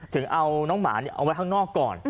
ถึงเอาน้องหมาเอาไว้ข้างนอกก่อน